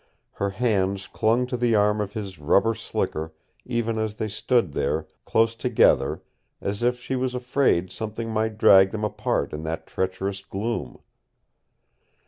Her hands clung to the arm of his rubber slicker even as they stood there, close together, as if she was afraid something might drag them apart in that treacherous gloom.